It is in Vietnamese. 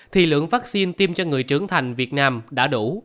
thì lượng vaccine tiêm cho người trưởng thành việt nam đã đủ